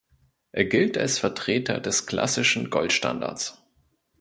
Er gilt als Vertreter des klassischen Goldstandards.